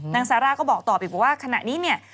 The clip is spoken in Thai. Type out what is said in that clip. นางซาร่าก็บอกต่อไปว่าขณะนี้เนี่ย